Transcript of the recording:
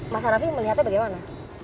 mas aravi melihatnya bagaimana